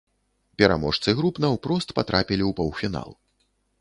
Пераможцы груп наўпрост патрапілі ў паўфінал.